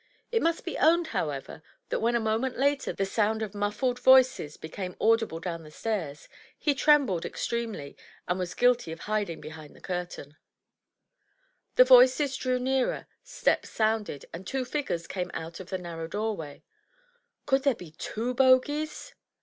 It must be owned, ^\ however, that when a moment later the sound of muffled voices became audible down the stairs, he trembled extremely, and was guilty of hiding behind the curtain. The voices drew nearer, steps sounded, and two figures came out of the narrow doorway. Could there be two Bogies?